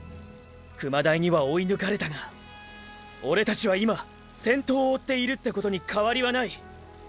熊台には追い抜かれたがオレたちは今先頭を追っているってことに変わりはない。